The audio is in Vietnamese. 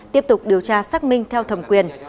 tiếp tục điều tra xác minh theo thầm quyền